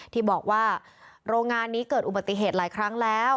ที่บอกว่าโรงงานนี้เกิดอุบัติเหตุหลายครั้งแล้ว